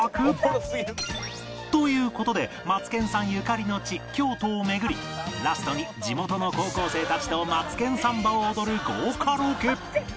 という事でマツケンさんゆかりの地京都を巡りラストに地元の高校生たちと『マツケンサンバ』を踊る豪華ロケ